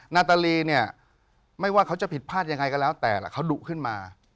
นาตาลีเนี่ยไม่ว่าเขาจะผิดพลาดยังไงก็แล้วแต่แหละเขาดุขึ้นมา